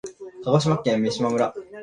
鹿児島県三島村